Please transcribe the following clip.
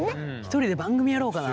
１人で番組やろうかな。